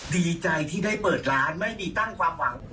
ดีใจที่ได้เปิดร้านไม่มีตั้งความหวัง